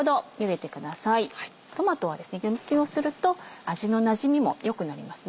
トマトは湯むきをすると味のなじみも良くなります。